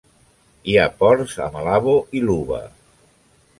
Hi ha ports a Malabo i Luba.